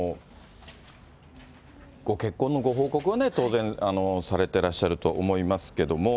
ご結婚のご報告は当然、されていらっしゃると思いますけれども。